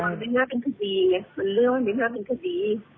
มันเรื่องไม่น่าเป็นคดี